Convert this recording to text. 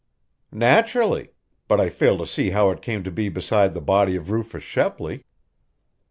"Naturally. But I fail to see how it came to be beside the body of Rufus Shepley."